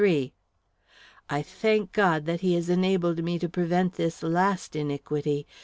I thank God that He has enabled me to prevent this last iniquity.